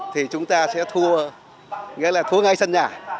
thì chúng ta sẽ thua nghĩa là thua ngay sân nhà